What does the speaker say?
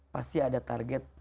pasti ada target